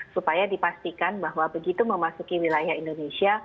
supaya dipastikan bahwa begitu memasuki wilayah indonesia